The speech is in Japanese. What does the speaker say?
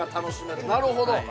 なるほど。